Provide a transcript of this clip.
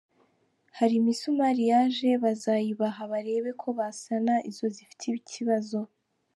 Hari imisumari yaje bazayibaha barebe ko basana izo zifite ikibazo.